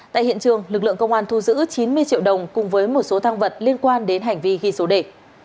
tại hiện trường lực lượng công an thu giữ chín mươi triệu đồng cùng với một số thăng vật liên quan đến hành vi ghi số đề